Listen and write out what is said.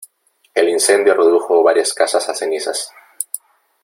El incendio redujo varias casas a cenizas.